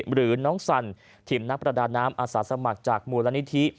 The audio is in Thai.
หรือน้องสันทีมนักประดาน้ำอาสาสมัครจากมูลนิธิ